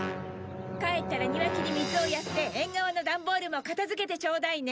帰ったら庭木に水をやって縁側の段ボールも片付けてちょうだいね。